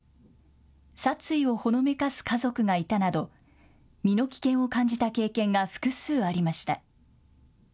追いかけられたりした、殺意をほのめかす家族がいたなど身の危険を感じた経験が複数ありました。